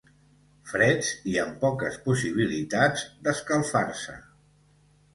Freds i amb poques possibilitats d'escalfar-se.